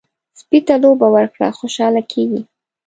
سپي ته لوبه ورکړه، خوشحاله کېږي.